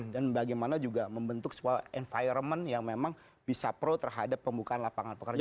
dan bagaimana juga membentuk sebuah environment yang memang bisa pro terhadap pembukaan lapangan pekerjaan